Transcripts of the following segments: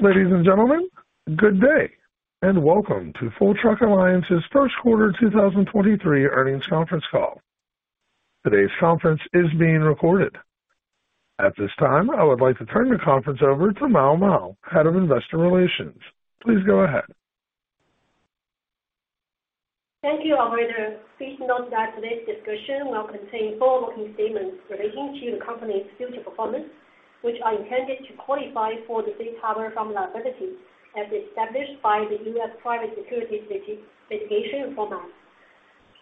Ladies and gentlemen, good day, and welcome to Full Truck Alliance's Q1 2023 earnings conference call. Today's conference is being recorded. At this time, I would like to turn the conference over to Mao Mao, Head of Investor Relations. Please go ahead. Thank you, operator. Please note that today's discussion will contain forward-looking statements relating to the company's future performance, which are intended to qualify for the safe harbor from liability as established by the U.S. Private Securities Litigation Reform Act.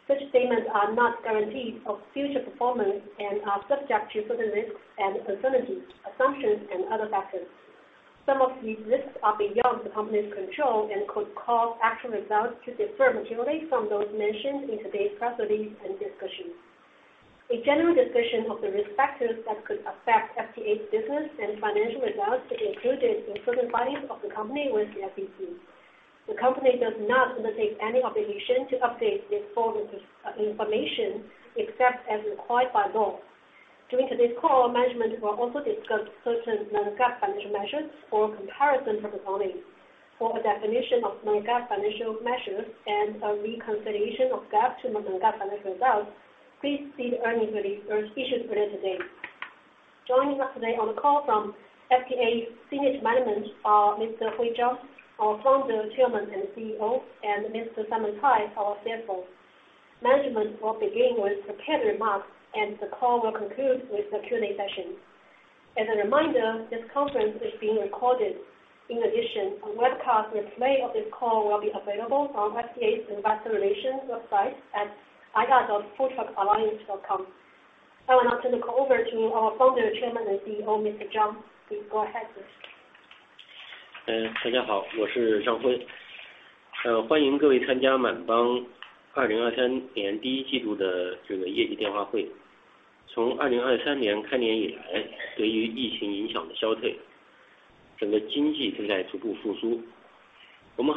Such statements are not guarantees of future performance and are subject to further risks and uncertainties, assumptions and other factors. Some of these risks are beyond the company's control and could cause actual results to differ materially from those mentioned in today's press release and discussion. A general discussion of the risk factors that could affect FTA's business and financial results is included in certain filings of the company with the SEC. The company does not undertake any obligation to update this forward information except as required by law. During today's call, management will also discuss certain non-GAAP financial measures for comparison purposes only. For a definition of non-GAAP financial measures and a reconciliation of GAAP to non-GAAP financial results, please see the earnings release issued earlier today. Joining us today on the call from FTA's senior management are Mr. Hui Zhang, our Founder, Chairman, and CEO, and Mr. Simon Cai, our CFO. Management will begin with prepared remarks and the call will conclude with a Q&A session. As a reminder, this conference is being recorded. A webcast replay of this call will be available on FTA's Investor Relations website at ir.fulltruckalliance.com. I will now turn the call over to our Founder, Chairman, and CEO, Mr. Zhang. Please go ahead, sir. Uh,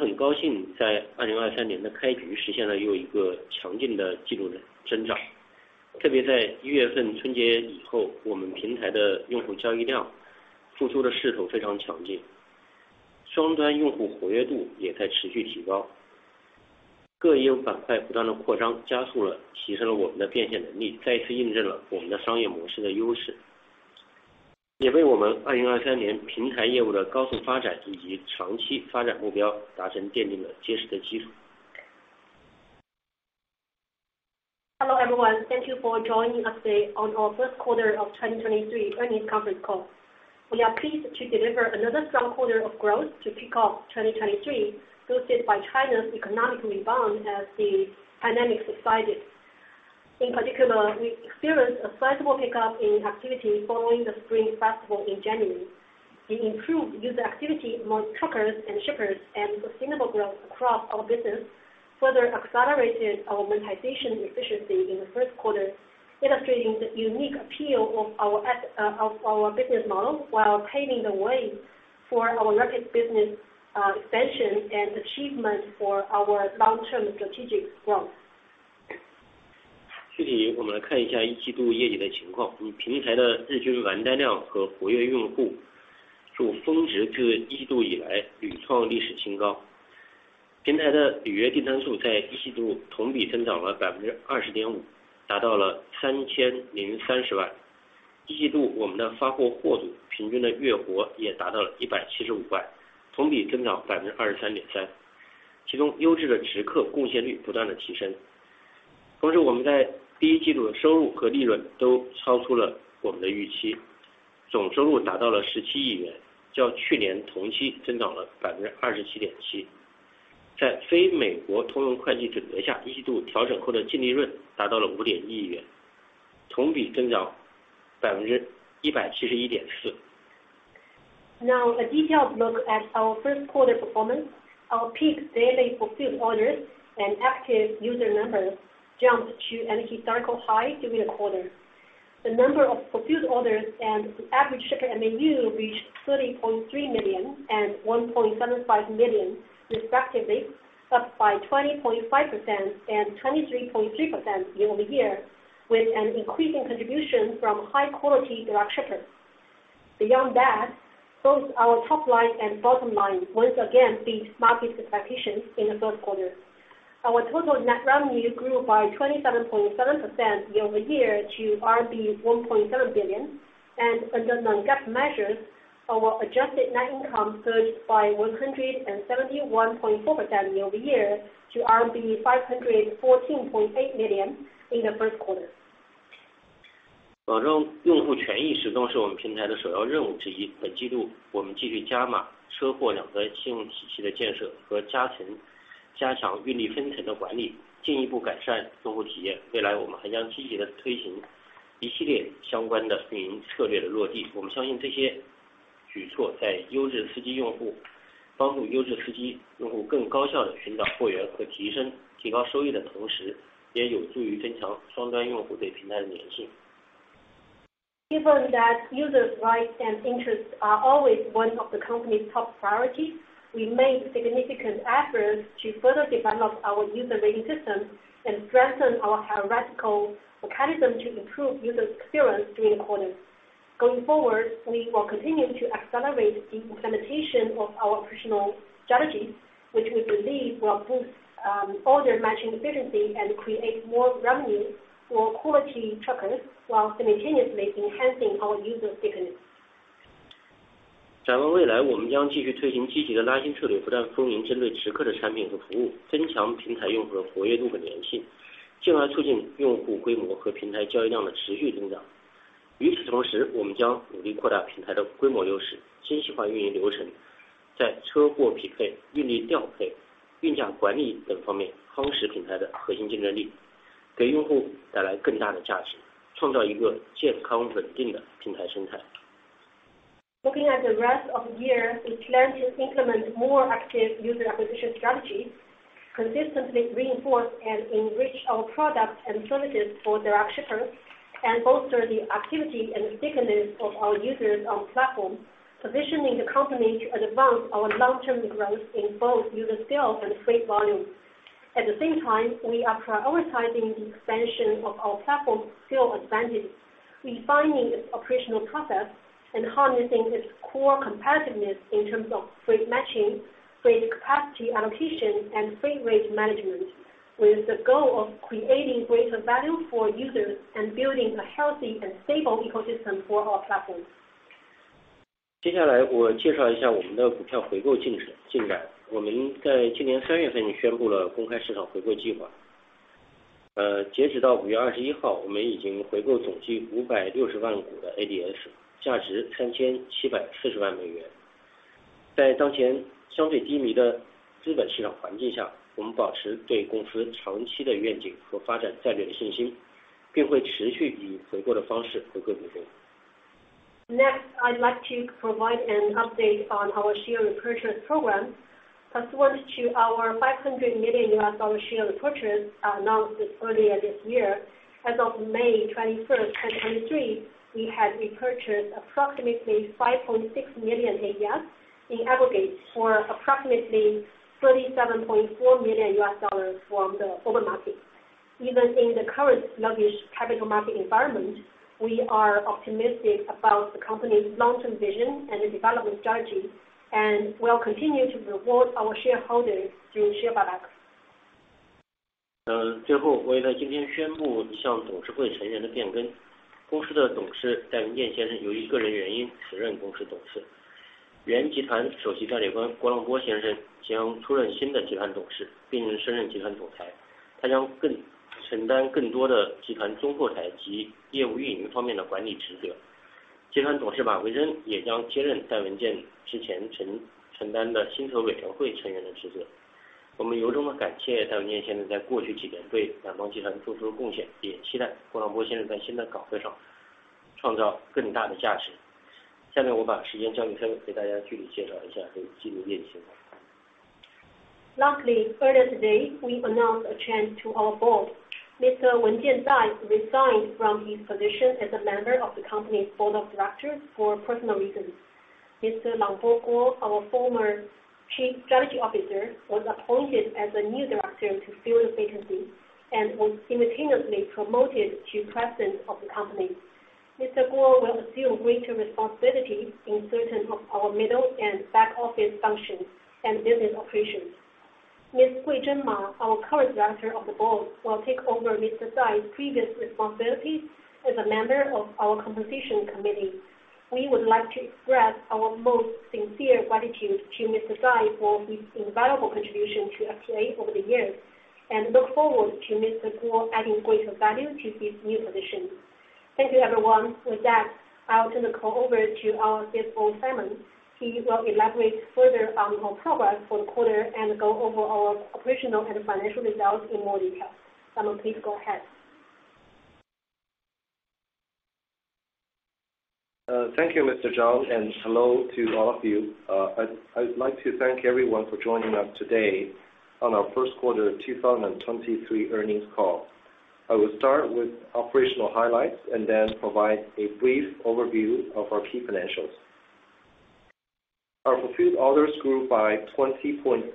Hello, everyone. Thank you for joining us today on our Q1 of 2023 earnings conference call. We are pleased to deliver another strong quarter of growth to kick off 2023, boosted by China's economic rebound as the pandemic subsides. In particular, we experienced a sizable pickup in activity following the Spring Festival in January. The improved user activity among truckers and shippers and sustainable growth across our business further accelerated our monetization efficiency in the Q1, illustrating the unique appeal of our business model while paving the way for our rapid business expansion and achievement for our long-term strategic growth. Given that users' rights and interests are always one of the company's top priorities, we made significant efforts to further develop our user rating system and strengthen our hierarchical mechanism to improve user experience during the quarter. Going forward, we will continue to accelerate the implementation of our operational strategies, which we believe will boost order matching efficiency and create more revenue for quality truckers while simultaneously enhancing our user thickness. Looking at the rest of the year, we plan to implement more active user acquisition strategies, consistently reinforce and enrich our products and services for direct shippers, and bolster the activity and thickness of our users on platform, positioning the company to advance our long-term growth in both user scale and freight volume. We are prioritizing the expansion of our platform skill advantage, refining its operational process, and harnessing its core competitiveness in terms of freight matching, freight capacity allocation, and freight rate management, with the goal of creating greater value for users and building a healthy and stable ecosystem for our platform. I'd like to provide an update on our share repurchase program. Pursuant to our $500 million share repurchase, announced earlier this year, as of May 21, 2023, we had repurchased approximately 5.6 million ADS in aggregate for approximately $37.4 million from the open market. Even in the current sluggish capital market environment, we are optimistic about the company's long-term vision and the development strategy, and we'll continue to reward our shareholders through share buybacks. Earlier today, we announced a change to our board. Mr. Wenjian Dai resigned from his position as a member of the company's board of directors for personal reasons. Mr. Langbo Guo, our former Chief Strategy Officer, was appointed as the new director to fill the vacancy and was simultaneously promoted to President of the company. Mr. Guo will assume greater responsibility in certain of our middle and back-office functions and business operations. Ms. Guizhen Ma, our current director of the board, will take over Mr. Dai's previous responsibilities as a member of our Compensation Committee. We would like to express our most sincere gratitude to Mr. Dai for his invaluable contribution to FTA over the years, and look forward to Mr. Guo adding greater value to his new position. Thank you, everyone. With that, I'll turn the call over to our CFO, Simon. He will elaborate further on our progress for the quarter and go over our operational and financial results in more detail. Simon, please go ahead. Thank you, Mr. Zhang, hello to all of you. I'd like to thank everyone for joining us today on our Q1 2023 earnings call. I will start with operational highlights, then provide a brief overview of our key financials. Our fulfilled orders grew by 20.5%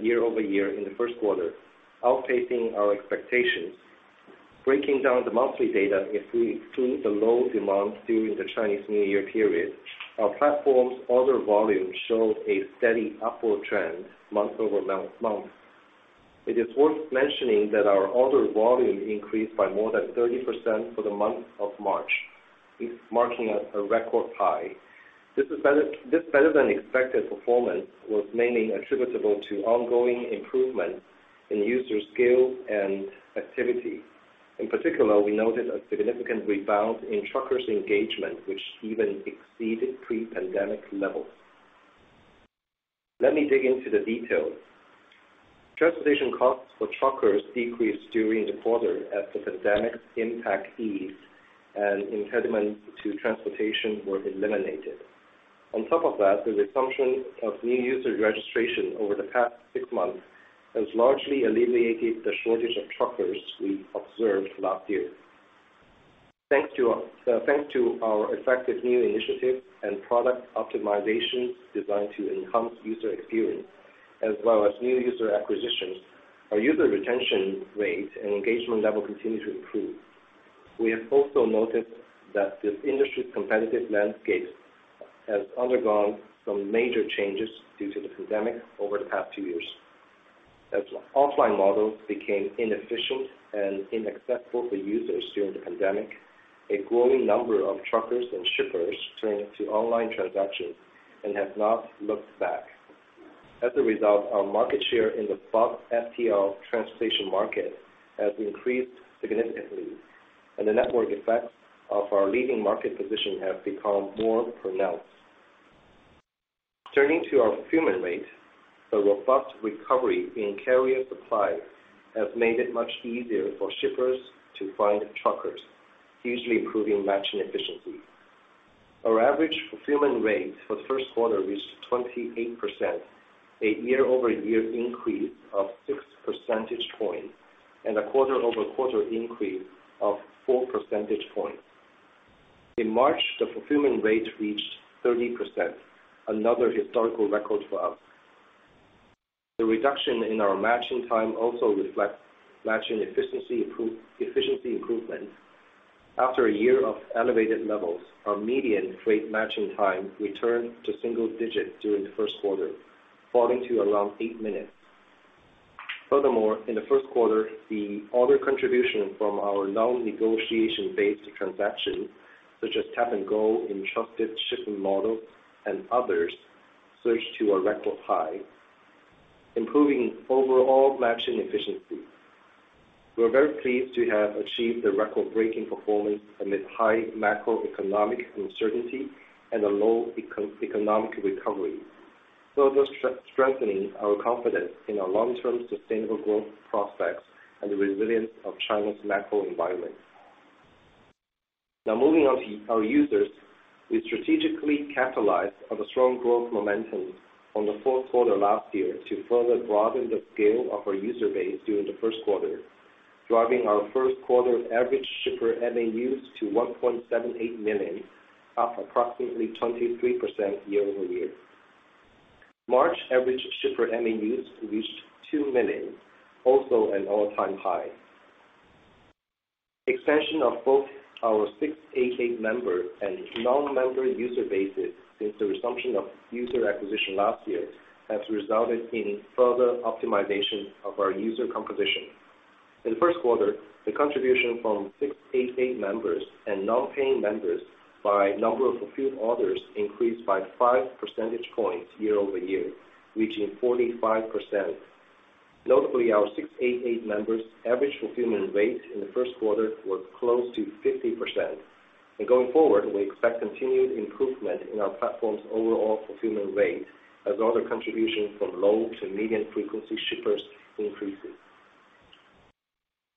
year-over-year in the Q1, outpacing our expectations. Breaking down the monthly data, if we exclude the low demand during the Chinese New Year period, our platform's order volume showed a steady upward trend month-over-month. It is worth mentioning that our order volume increased by more than 30% for the month of March, this marking a record high. This better-than-expected performance was mainly attributable to ongoing improvements in user skill and activity. In particular, we noted a significant rebound in truckers engagement, which even exceeded pre-pandemic levels. Let me dig into the details. Transportation costs for truckers decreased during the quarter as the pandemic impact eased and impediments to transportation were eliminated. On top of that, the resumption of new user registration over the past 6 months has largely alleviated the shortage of truckers we observed last year. Thanks to our effective new initiatives and product optimizations designed to enhance user experience. As well as new user acquisitions, our user retention rate and engagement level continue to improve. We have also noted that this industry competitive landscape has undergone some major changes due to the pandemic over the past 2 years. As offline models became inefficient and inaccessible for users during the pandemic, a growing number of truckers and shippers turned to online transactions and have not looked back. As a result, our market share in the FTL transportation market has increased significantly, and the network effect of our leading market position has become more pronounced. Turning to our fulfillment rate, the robust recovery in carrier supply has made it much easier for shippers to find truckers, hugely improving matching efficiency. Our average fulfillment rate for the Q1 is 28%, a year-over-year increase of 6 percentage points and a quarter-over-quarter increase of 4 percentage points. In March, the fulfillment rate reached 30%, another historical record for us. The reduction in our matching time also reflects matching efficiency improvement. After a year of elevated levels, our median freight matching time returned to single digits during the Q1, falling to around 8 minutes. Furthermore, in the Q1, the order contribution from our non-negotiation-based transactions, such as tap-and-go and entrusted shipment models and others, surged to a record high, improving overall matching efficiency. We are very pleased to have achieved a record-breaking performance amid high macroeconomic uncertainty and a low economic recovery, further strengthening our confidence in our long-term sustainable growth prospects and the resilience of China's macro environment. Moving on to our users, we strategically capitalized on the strong growth momentum from the Q4 last year to further broaden the scale of our user base during the Q1, driving our Q1 average shipper MAUs to 1.78 million, up approximately 23% year-over-year. March average shipper MAUs reached 2 million, also an all-time high. Expansion of both our 688 member and non-member user bases since the resumption of user acquisition last year has resulted in further optimization of our user composition. In the Q1, the contribution from 688 members and non-paying members by number of fulfilled orders increased by 5 percentage points year-over-year, reaching 45%. Notably, our 688 members' average fulfillment rate in the Q1 was close to 50%. Going forward, we expect continued improvement in our platform's overall fulfillment rate as order contribution from low to median frequency shippers increases.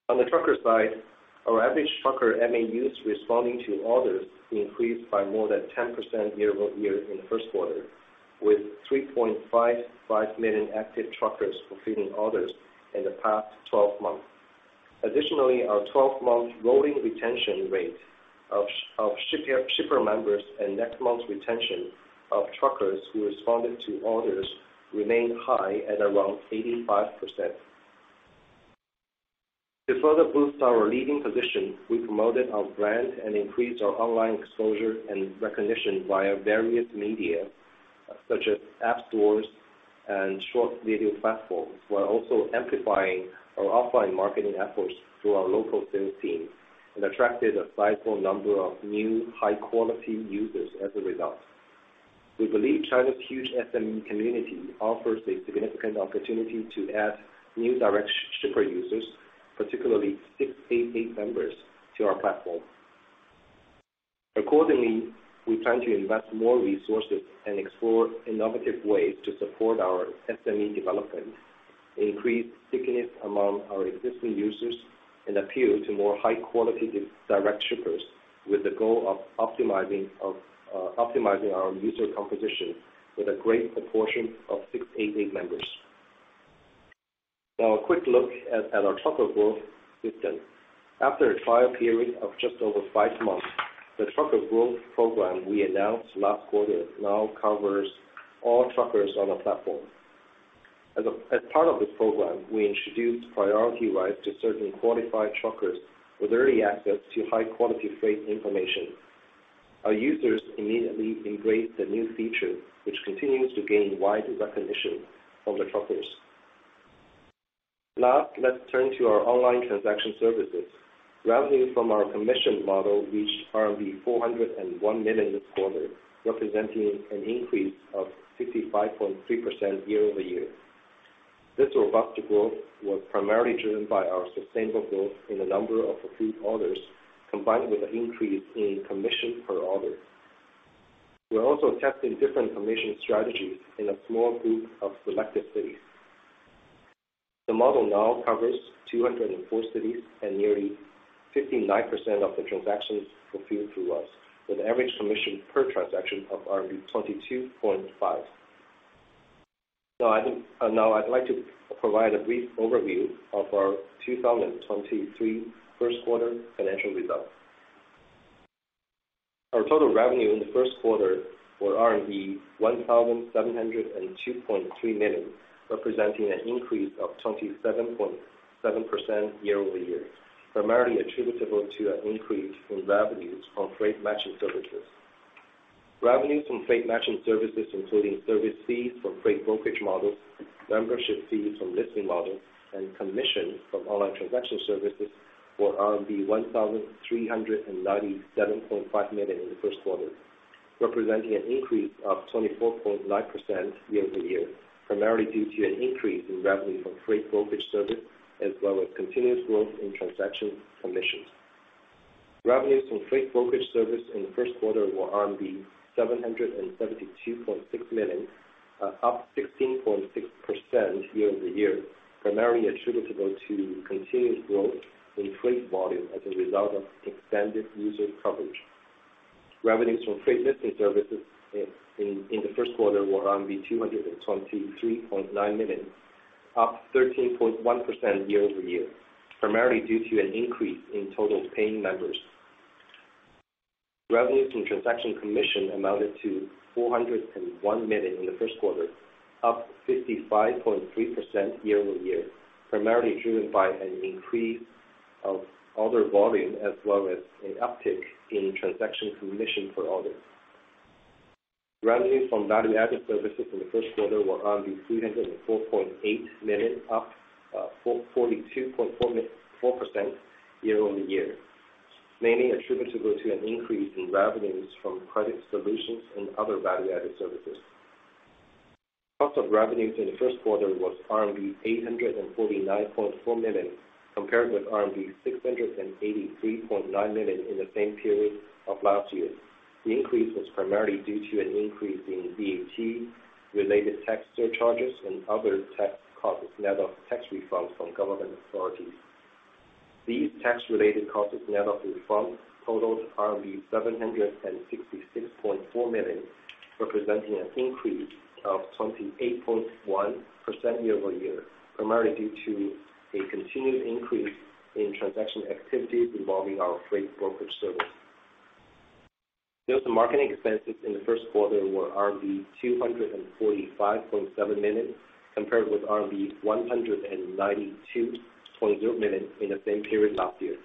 On the trucker side, our average trucker MAUs responding to orders increased by more than 10% year-over-year in the Q1, with 3.55 million active truckers fulfilling orders in the past 12 months. Additionally, our 12-month rolling retention rate of shipper members and next month's retention of truckers who responded to orders remained high at around 85%. To further boost our leading position, we promoted our brand and increased our online exposure and recognition via various media, such as app stores and short video platforms, while also amplifying our offline marketing efforts through our local sales team, attracted a sizable number of new high-quality users as a result. We believe China's huge SME community offers a significant opportunity to add new direct shipper users, particularly 688 members, to our platform. Accordingly, we plan to invest more resources and explore innovative ways to support our SME development, increase stickiness among our existing users, and appeal to more high-quality direct shippers with the goal of optimizing our user composition with a great proportion of 688 members. A quick look at our trucker growth system. After a trial period of just over 5 months, the trucker growth program we announced last quarter now covers all truckers on the platform. As part of this program, we introduced priority rights to certain qualified truckers with early access to high-quality freight information. Our users immediately embraced the new feature, which continues to gain wide recognition from the truckers. Let's turn to our online transaction services. Revenue from our commission model reached RMB 401 million this quarter, representing an increase of 65.3% year-over-year. This robust growth was primarily driven by our sustainable growth in the number of fulfilled orders, combined with an increase in commission per order. We are also testing different commission strategies in a small group of selected cities. The model now covers 204 cities and nearly 59% of the transactions fulfilled through us, with average commission per transaction of RMB 22.5. I think I'd like to provide a brief overview of our 2023 Q1 financial results. Our total revenue in the Q1 were 1,702.3 million, representing an increase of 27.7% year-over-year, primarily attributable to an increase in revenues from freight matching services. Revenues from freight matching services, including service fees for freight brokerage models, membership fees from listing models, and commission from online transaction services were 1,397.5 million in the Q1, representing an increase of 24.9% year-over-year, primarily due to an increase in revenue from freight brokerage service, as well as continuous growth in transaction commissions. Revenues from freight brokerage service in the Q1 were 772.6 million, up 16.6% year-over-year, primarily attributable to continuous growth in freight volume as a result of extended user coverage. Revenues from freight listing services in the Q1 were 223.9 million, up 13.1% year-over-year, primarily due to an increase in total paying members. Revenues from transaction commission amounted to 401 million in the Q1, up 55.3% year-over-year, primarily driven by an increase of order volume as well as an uptick in transaction commission per order. Revenues from value-added services in the Q1 were 304.8 million, up 42.4% year-over-year, mainly attributable to an increase in revenues from credit solutions and other value-added services. Cost of revenues in the Q1 was RMB 849.4 million, compared with RMB 683.9 million in the same period of last year. The increase was primarily due to an increase in VAT-related tax surcharges and other tax costs, net of tax refunds from government authorities. These tax-related costs, net of refunds, totaled RMB 766.4 million, representing an increase of 28.1% year-over-year, primarily due to a continued increase in transaction activities involving our freight brokerage service. Sales and marketing expenses in the Q1 were 245.7 million, compared with 192.0 million in the same period last year.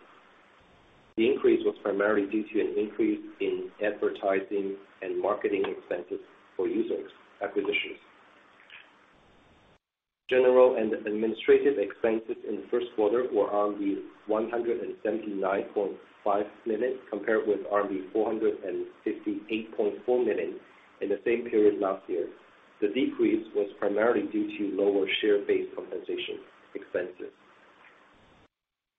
The increase was primarily due to an increase in advertising and marketing expenses for user acquisitions. General and administrative expenses in the Q1 were RMB 179.5 million, compared with RMB 458.4 million in the same period last year. The decrease was primarily due to lower share-based compensation expenses.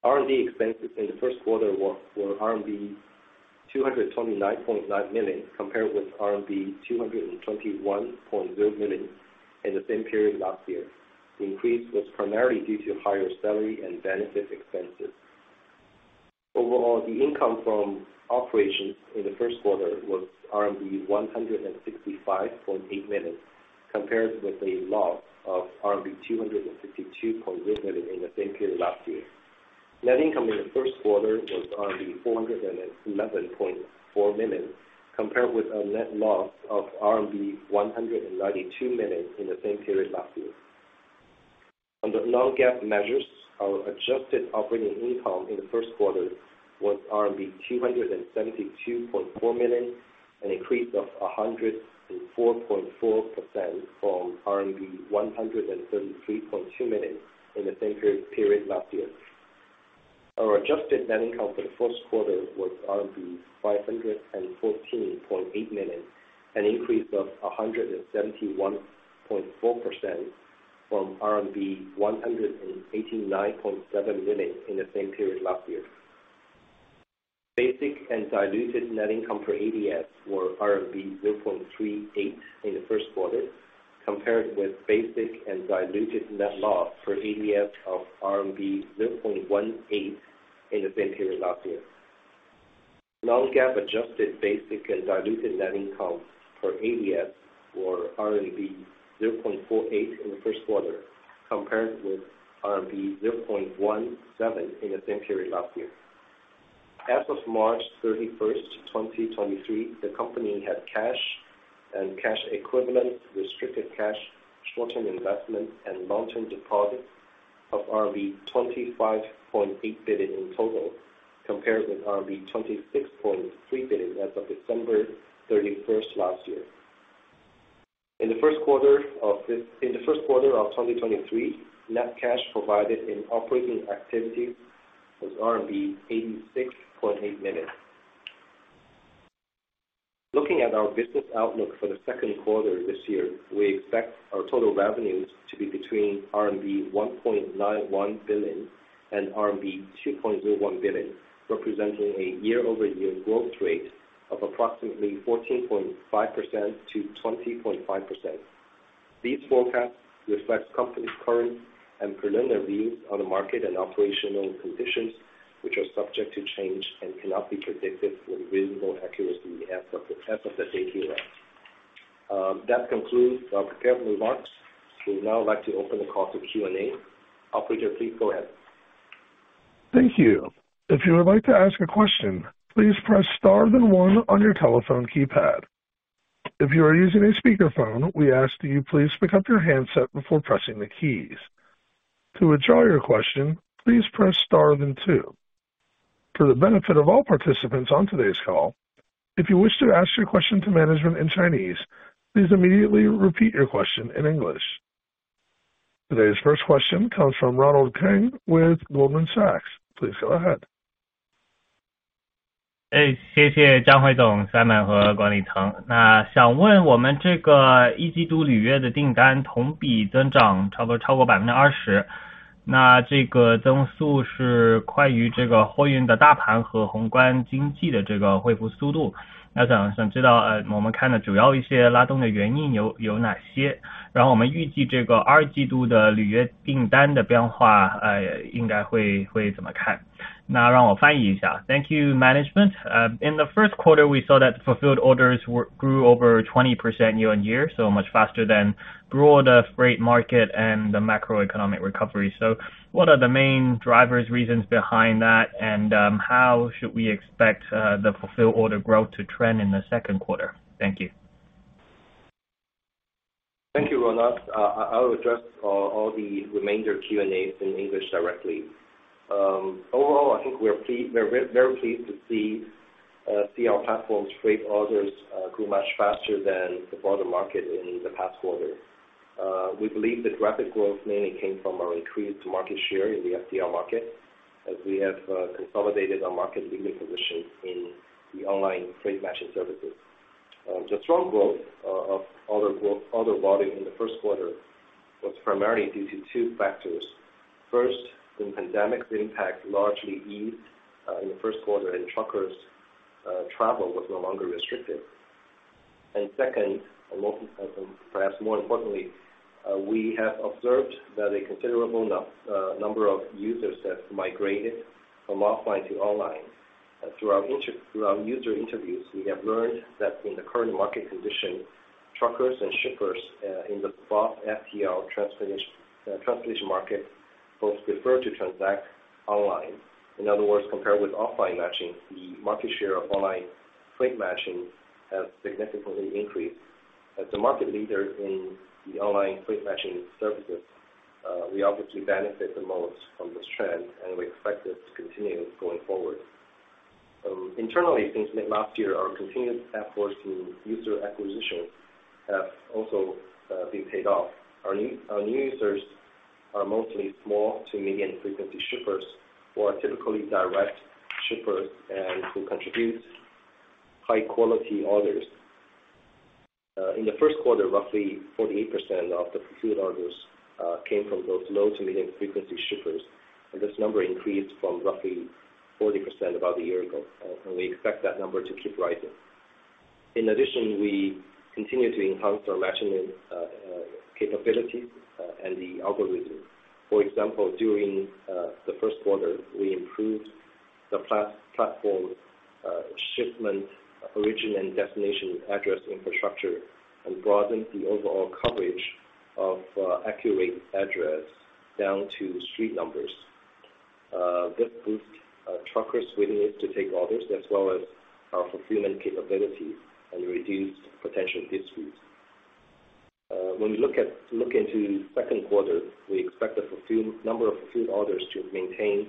R&D expenses in the Q1 were 229.9 million, compared with 221.0 million in the same period last year. The increase was primarily due to higher salary and benefit expenses. Overall, the income from operations in the Q1 was RMB 165.8 million, compared with a loss of RMB 262.0 million in the same period last year. Net income in the Q1 was RMB 411.4 million, compared with a net loss of RMB 192 million in the same period last year. Under non-GAAP measures, our adjusted operating income in the Q1 was RMB 272.4 million, an increase of 104.4% from RMB 133.2 million in the same period last year. Our adjusted net income for the Q1 was RMB 514.8 million, an increase of 171.4% from RMB 189.7 million in the same period last year. Basic and diluted net income per ADS were RMB 0.38 in the Q1, compared with basic and diluted net loss per ADS of RMB 0.18 in the same period last year. Non-GAAP adjusted basic and diluted net income per ADS were RMB 0.48 in the Q1, compared with RMB 0.17 in the same period last year. As of March 31, 2023, the company had cash and cash equivalents, restricted cash, short-term investments, and long-term deposits of 25.8 billion in total, compared with 26.3 billion as of December 31 last year. In the Q1 of 2023, net cash provided in operating activities was RMB 86.8 million. Looking at our business outlook for the Q2 this year, we expect our total revenues to be between RMB 1.91 billion and RMB 2.01 billion, representing a year-over-year growth rate of approximately 14.5%-20.5%. These forecasts reflect company's current and preliminary views on the market and operational conditions, which are subject to change and cannot be predicted with reasonable accuracy as of the date hereof. That concludes our prepared remarks. We'd now like to open the call to Q&A. Operator, please go ahead. Thank you. If you would like to ask a question, please press * then 1 on your telephone keypad. If you are using a speakerphone, we ask that you please pick up your handset before pressing the keys. To withdraw your question, please press * then 2. For the benefit of all participants on today's call, if you wish to ask your question to management in Chinese, please immediately repeat your question in English. Today's 1st question comes from Ronald Keung with Goldman Sachs. Please go ahead. Thank you, management. In the Q1, we saw that fulfilled orders grew over 20% year-on-year, much faster than broader freight market and the macroeconomic recovery. What are the main drivers, reasons behind that? How should we expect the fulfilled order growth to trend in the Q2? Thank you. Thank you, Ronald. I will address all the remainder Q&As in English directly. Overall, I think we are very pleased to see our platform's freight orders grew much faster than the broader market in the past quarter. We believe this rapid growth mainly came from our increased market share in the FTL market as we have consolidated our market leading position in the online freight matching services. The strong growth of order volume in the Q1 was primarily due to 2 factors. First, when pandemic's impact largely eased in the Q1 and truckers, travel was no longer restricted. 2nd, perhaps more importantly, we have observed that a considerable number of users have migrated from offline to online. Through our user interviews, we have learned that in the current market condition, truckers and shippers in the FTL transportation market both prefer to transact online. In other words, compared with offline matching, the market share of online freight matching has significantly increased. As the market leader in the online freight matching services, we obviously benefit the most from this trend, we expect this to continue going forward. Internally, since mid last year, our continued efforts in user acquisition have also been paid off. Our new users are mostly small to medium frequency shippers who are typically direct shippers and who contribute high quality orders. In the Q1, roughly 48% of the fulfilled orders came from those low to medium frequency shippers, and this number increased from roughly 40% about a year ago. We expect that number to keep rising. In addition, we continue to enhance our matching capabilities and the algorithm. For example, during the Q1, we improved the platform shipment origin and destination address infrastructure and broadened the overall coverage of accurate address down to street numbers. This boost truckers willingness to take orders as well as our fulfillment capabilities and reduce potential disputes. When we look into Q2, we expect the number of fulfilled orders to maintain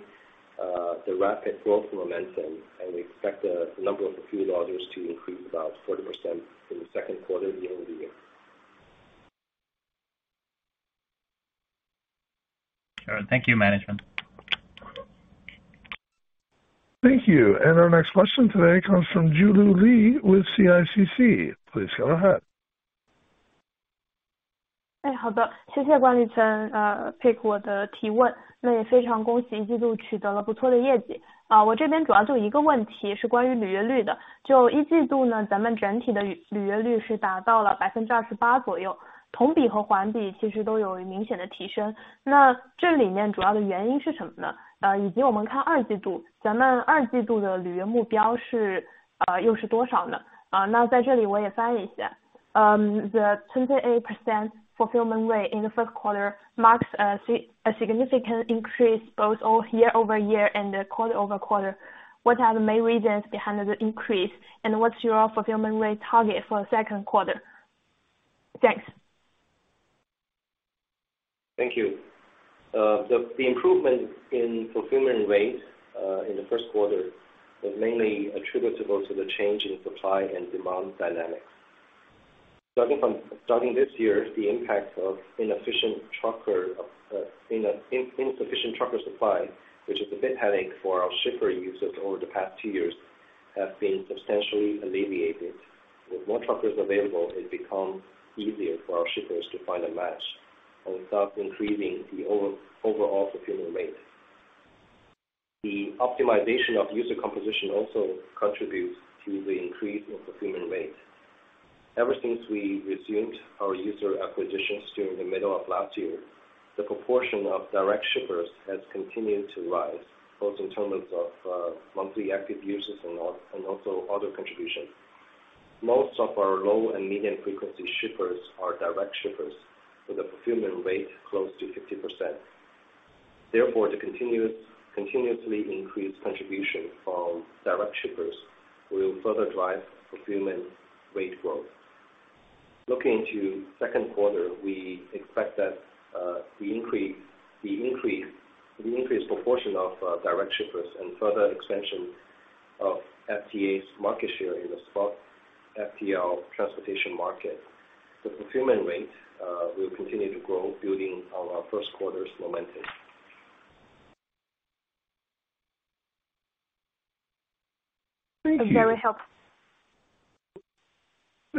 the rapid growth momentum, we expect the number of fulfilled orders to increase about 40% in the Q2 year-over-year. All right. Thank you, management. Thank you. Our next question today comes from Jiulu Li with CICC. Please go ahead. Thank you. The improvement in fulfillment rate in the Q1 was mainly attributable to the change in supply and demand dynamics. Starting this year, the impact of inefficient trucker, insufficient trucker supply, which is a big headache for our shipper users over the past 2 years, have been substantially alleviated. With more truckers available, it becomes easier for our shippers to find a match without increasing the overall fulfillment rate. The optimization of user composition also contributes to the increase in fulfillment rate. Ever since we resumed our user acquisitions during the middle of last year, the proportion of direct shippers has continued to rise, both in terms of Monthly Active Users and also order contributions. Most of our low and medium frequency shippers are direct shippers with a fulfillment rate close to 50%. Therefore, the continuous, continuously increased contribution from direct shippers will further drive fulfillment rate growth. Looking to Q2, we expect that the increased proportion of direct shippers and further extension of FTA's market share in the spot FTL transportation market. The fulfillment rate will continue to grow building on our Q1's momentum. Thank you. That's very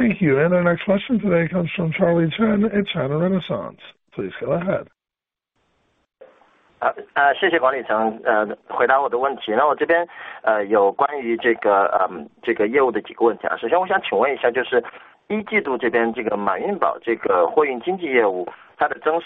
helpful. Thank you. Our next question today comes from Charlie Chen at China Renaissance. Please go ahead. In the Q1,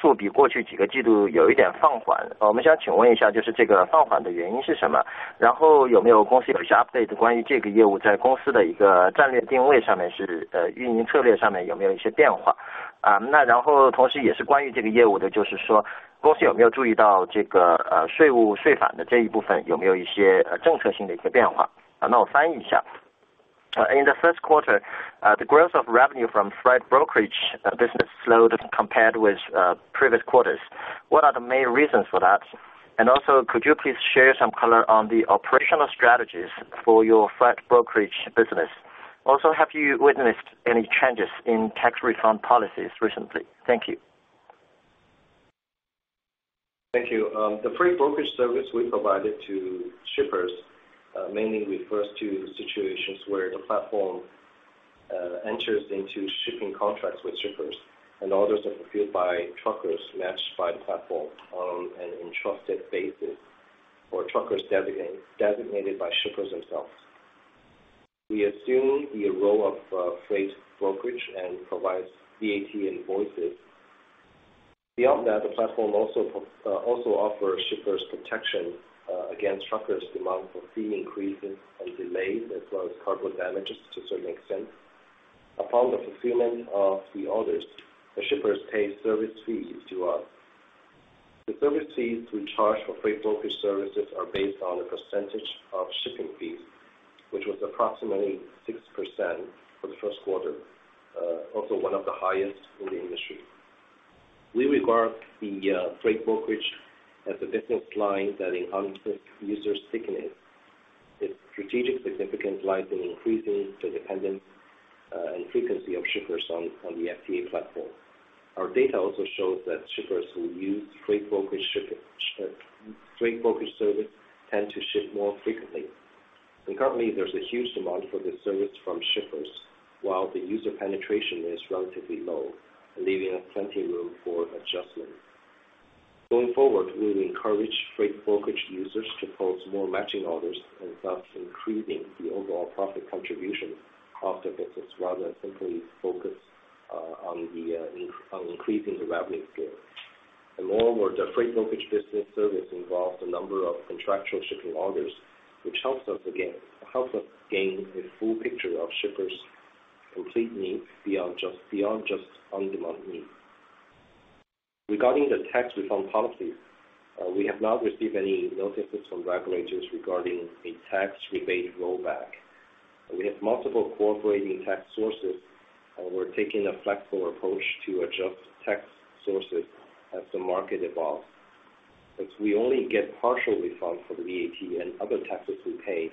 the growth of revenue from freight brokerage business slowed compared with previous quarters. What are the main reasons for that? Also, could you please share some color on the operational strategies for your freight brokerage business? Also, have you witnessed any changes in tax refund policies recently? Thank you. The freight brokerage service we provided to shippers mainly refers to situations where the platform enters into shipping contracts with shippers and others are fulfilled by truckers matched by the platform on an entrusted basis or truckers designated by shippers themselves. We assume the role of freight brokerage and provides VAT invoices. Beyond that, the platform also offers shippers protection against truckers' demand for fee increases and delays, as well as cargo damages to a certain extent. Upon the fulfillment of the orders, the shippers pay service fees to us. The service fees we charge for freight brokerage services are based on a percentage of shipping fees, which was approximately 6% for the Q1, also one of the highest in the industry. We regard the freight brokerage as a business line that enhances users' stickiness. Its strategic significance lies in increasing the dependence and frequency of shippers on the FTA platform. Our data also shows that shippers who use freight brokerage service tend to ship more frequently. Currently, there's a huge demand for this service from shippers, while the user penetration is relatively low, leaving plenty room for adjustment. Going forward, we will encourage freight brokerage users to post more matching orders and thus increasing the overall profit contribution of the business, rather than simply focus on increasing the revenue scale. Moreover, the freight brokerage business service involves a number of contractual shipping orders, which helps us gain the full picture of shippers' complete needs beyond just on-demand needs. Regarding the tax reform policy, we have not received any notices from regulators regarding a tax rebate rollback. We have multiple cooperating tax sources, and we're taking a flexible approach to adjust tax sources as the market evolves. As we only get partial refunds for the VAT and other taxes we pay,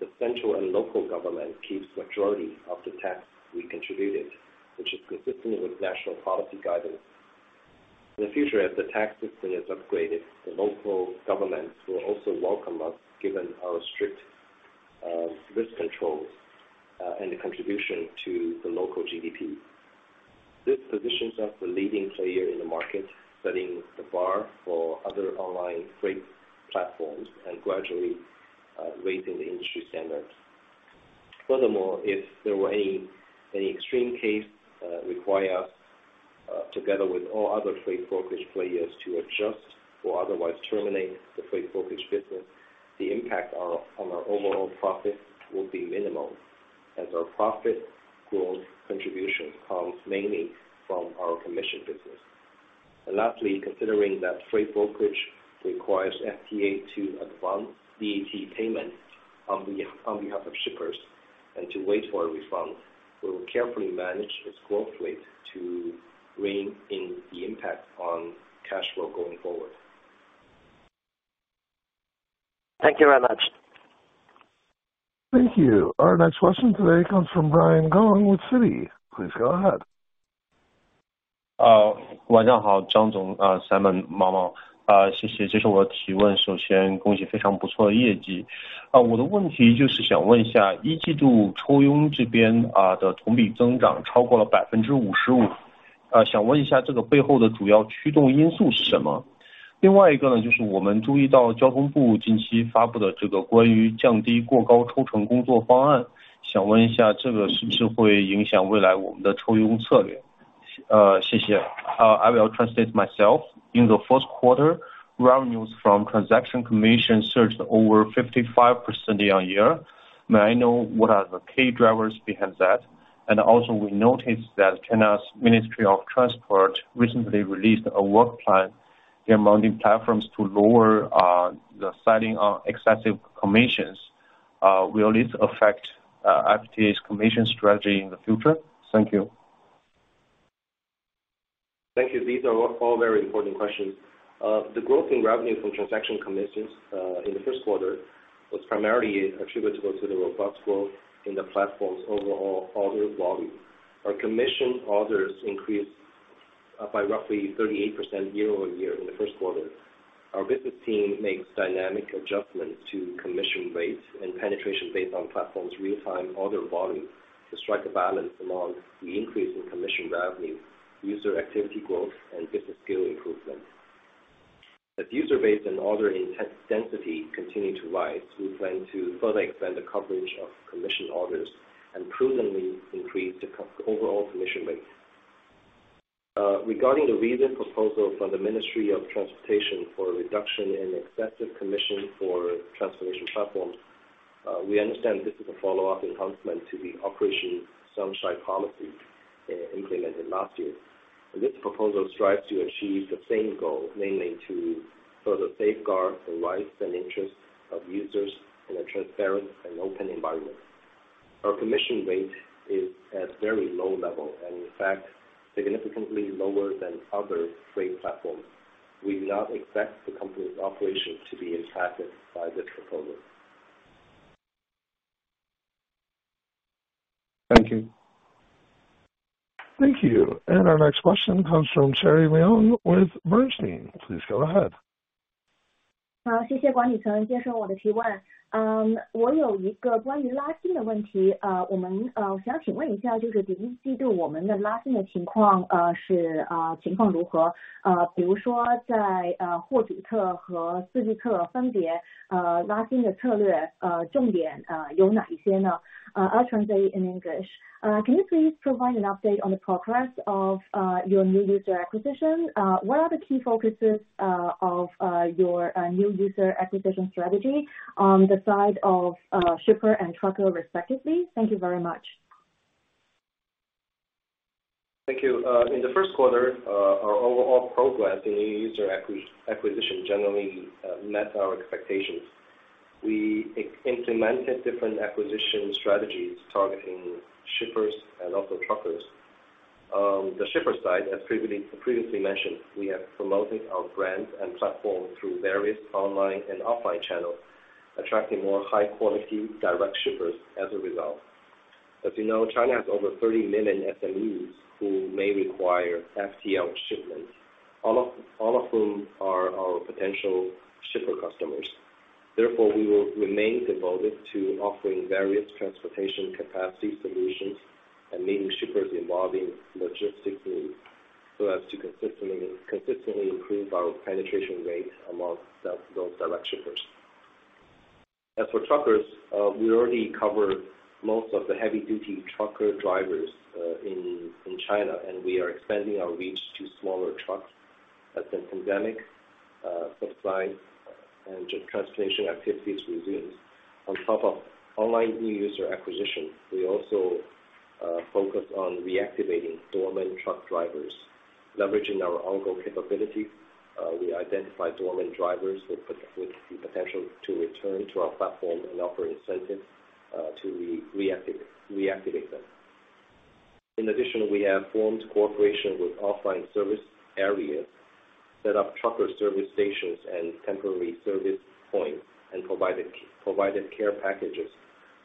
the central and local government keeps majority of the tax we contributed, which is consistent with national policy guidance. In the future, as the tax system is upgraded, the local governments will also welcome us given our strict risk controls and the contribution to the local GDP. This positions us the leading player in the market, setting the bar for other online freight platforms and gradually raising the industry standards. Furthermore, if there were any extreme case require us together with all other freight brokerage players to adjust or otherwise terminate the freight brokerage business, the impact on our overall profit will be minimal as our profit growth contribution comes mainly from our commission business. Lastly, considering that freight brokerage requires FTA to advance VAT payment on behalf of shippers and to wait for a refund, we will carefully manage its growth rate to rein in the impact on cash flow going forward. Thank you very much. Thank you. Our next question today comes from Brian Gong with Citi. Please go ahead. Uh, 谢 谢. I will translate myself. In the Q1, revenues from transaction commission surged over 55% year-on-year. May I know what are the key drivers behind that? We noticed that China's Ministry of Transport recently released a work plan in mounting platforms to lower the citing of excessive commissions. Will this affect FTA's commission strategy in the future? Thank you. Thank you. These are all very important questions. The growth in revenue from transaction commissions in the Q1 was primarily attributable to the robust growth in the platform's overall order volume. Our commission orders increased by roughly 38% year-over-year in the Q1. Our business team makes dynamic adjustments to commission rates and penetration based on platform's real-time order volume to strike a balance among the increase in commission revenue, user activity growth and business skill improvement. As user base and order intensity continue to rise, we plan to further expand the coverage of commission orders and provenly increase the overall commission rate. Regarding the recent proposal from the Ministry of Transport for a reduction in excessive commission for transportation platforms, we understand this is a follow-up enhancement to the Operation Sunshine policy implemented last year. This proposal strives to achieve the same goal, mainly to further safeguard the rights and interests of users in a transparent and open environment. Our commission rate is at very low level and in fact, significantly lower than other freight platforms. We do not expect the company's operations to be impacted by this proposal. Thank you. Thank you. Our next question comes from Cherry Leung with AllianceBernstein. Please go ahead. 谢谢管理层接受我的提问。我有一个关于拉新的问题。我想请问一 下， 就是第一季度我们的拉新的情况是情况如 何？ 比如说在货主侧和司机侧分 别， 拉新的策略重点有哪一些 呢？ I'll translate in English. Can you please provide an update on the progress of your new user acquisition? What are the key focuses of your new user acquisition strategy on the side of shipper and trucker, respectively? Thank you very much. Thank you. In the Q1, our overall progress in new user acquisition generally met our expectations. We implemented different acquisition strategies targeting shippers and also truckers. The shipper side, as previously mentioned, we have promoted our brand and platform through various online and offline channels, attracting more high quality direct shippers as a result. As you know, China has over 30 million SMEs who may require FTL shipments, all of whom are our potential shipper customers. Therefore, we will remain devoted to offering various transportation capacity solutions and meeting shippers involving logistics needs so as to consistently improve our penetration rate among those direct shippers. As for truckers, we already cover most of the heavy-duty trucker drivers in China, and we are expanding our reach to smaller trucks as the pandemic, supply and transportation activities resumes. On top of online new user acquisition, we also focus on reactivating dormant truck drivers. Leveraging our on-go capabilities, we identify dormant drivers with the potential to return to our platform and offer incentives to reactivate them. In addition, we have formed cooperation with offline service areas, set up trucker service stations and temporary service points, and provided care packages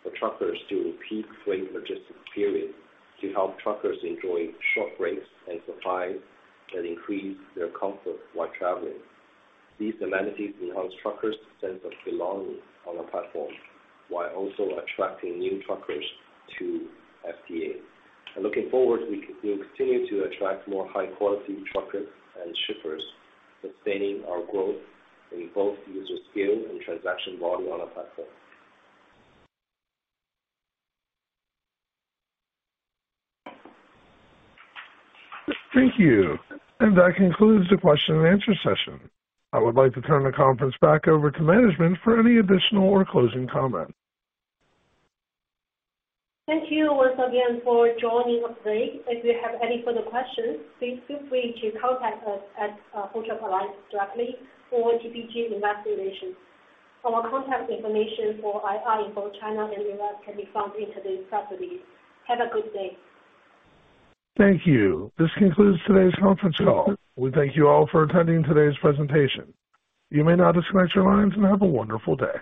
for truckers during peak freight logistics period to help truckers enjoy short breaks and supplies that increase their comfort while traveling. These amenities enhance truckers' sense of belonging on our platform, while also attracting new truckers to FTA. Looking forward, we will continue to attract more high-quality truckers and shippers, sustaining our growth in both user scale and transaction volume on our platform. Thank you. That concludes the question and answer session. I would like to turn the conference back over to management for any additional or closing comments. Thank you once again for joining us today. If you have any further questions, please feel free to contact us at Full Truck Alliance directly or TPG Investor Relations. Our contact information for IR in both China and U.S. can be found in today's press release. Have a good day. Thank you. This concludes today's conference call. We thank you all for attending today's presentation. You may now disconnect your lines and have a wonderful day.